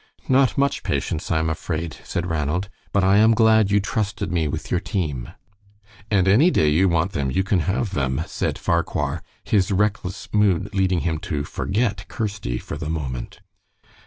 "Not much patience, I am afraid," said Ranald. "But I am glad you trusted me with your team." "And any day you want them you can have them," said Farquhar, his reckless mood leading him to forget Kirsty for the moment.